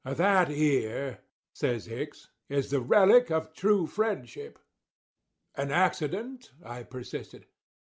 "That ear," says Hicks, "is the relic of true friendship." "An accident?" I persisted.